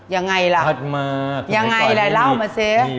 ยังไงล่ะเล่ามาซิ